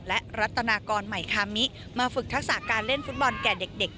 และรัตนากรใหม่คามิมาฝึกทักษะการเล่นฟุตบอลแก่เด็ก